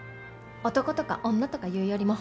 男とか女とか言うよりも。